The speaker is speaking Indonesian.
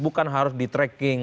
bukan harus di tracking